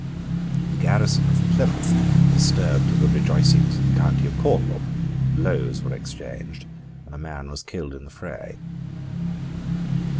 The garrison of Plymouth disturbed the rejoicings of the County of Cornwall: blows were exchanged, and a man was killed in the fray.